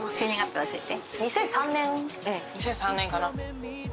２００３年かな。